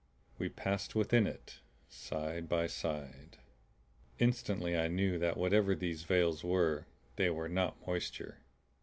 We passed within it side by side. Instantly I knew that whatever these veils were, they were not moisture.